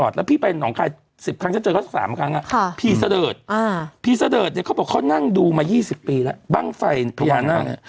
แบบพี่เสดิเตอร์ดเขาบอกเค้านั่งดูมา๒๐ปีแล้วบังไฟพญานาค